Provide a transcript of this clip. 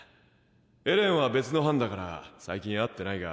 エレンは別の班だから最近会ってないが」。